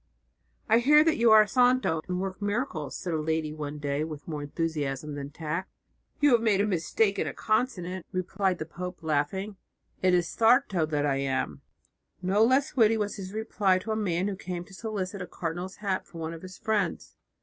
"I hear that you are a santo and work miracles," said a lady one day, with more enthusiasm than tact. "You have made a mistake in a consonant," replied the pope, laughing, "it is a 'Sarto' that I am." No less witty was his reply to a man who came to solicit a cardinal's hat for one of his friends.